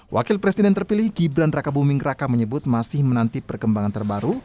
wakil presiden terpilih gibran raka buming raka menyebut masih menanti perkembangan terbaru